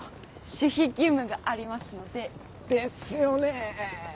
守秘義務がありますので。ですよね。